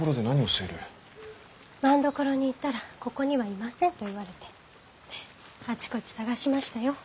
政所に行ったらここにはいませんと言われてあちこち捜しましたよ。